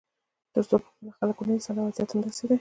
تر څو خلک پخپله ونه درېږي، وضعیت همداسې دی.